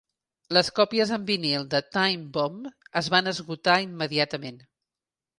Les còpies en vinil de "Time Bomb" es van esgotar immediatament.